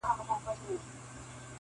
• دعوه ګیر وي ور سره ډېري پیسې وي,